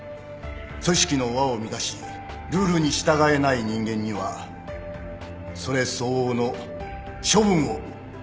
組織の和を乱しルールに従えない人間にはそれ相応の処分を与えるべきです。